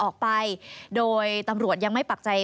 ออกไปโดยตำรวจยังไม่ปักใจ